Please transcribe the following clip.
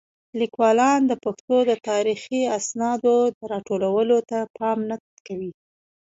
لیکوالان د پښتو د تاریخي اسنادو د راټولولو ته پام نه کوي.